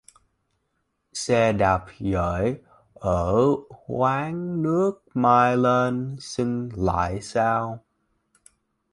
Xe đạp gửi ở quán nước Mai lên xin lại sau